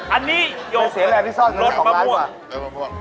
อันนี้โยเกิร์ตรสมะม่วง